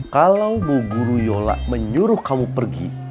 kalau mau guru yola menyuruh kamu pergi